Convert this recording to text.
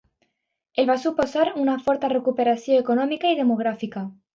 El va suposar una forta recuperació econòmica i demogràfica.